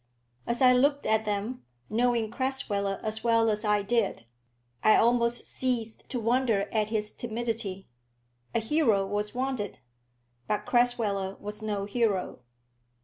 As I looked at them, knowing Crasweller as well as I did, I almost ceased to wonder at his timidity. A hero was wanted; but Crasweller was no hero.